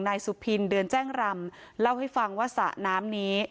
นายสุพินเดือนแจ้งรำเล่าให้ฟังว่าสระน้ำนี้